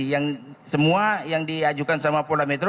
yang semua yang diajukan sama polda metro